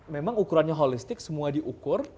memang ukurannya holistik semua diukur